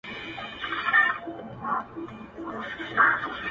د سيندد غاړي ناسته ډېره سوله ځو به كه نــه،